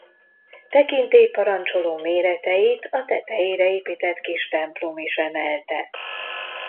Tekintélyt parancsoló méreteit a tetejére épített kis templom is emelte.